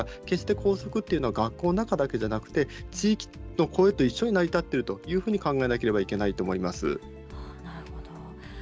決して校則というのは学校の中だけではなくて地域の声と一緒に成り立っていると考えなければいけないと思います。